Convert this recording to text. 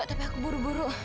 tapi aku buru buru